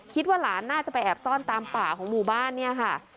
คิดว่าหลานน่าจะไปแอบซ่อนตามป่าของหมู่บ้านเนี่ยค่ะ